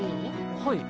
はい。